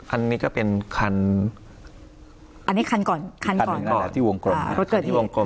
อันนี้ก็เป็นคันอันนี้คันก่อนคันก่อนคันก่อนที่วงกลมคันที่วงกลม